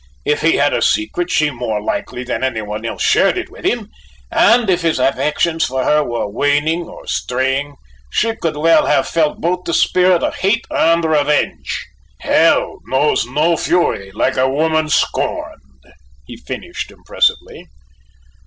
If he had a secret she more likely than any one else shared it with him; and if his affections for her were waning or straying, she could well have felt both the spirit of hate and revenge. 'Hell knows no fury like a woman scorned,'" he finished, impressively.